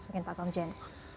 mungkin pak komjen